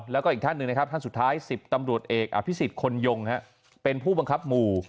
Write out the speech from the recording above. แล้วก็อีกท่านหนึ่งนะครับท่านสุดท้าย๑๐ตำรวจเอกอภิษฎคนยงเป็นผู้บังคับหมู่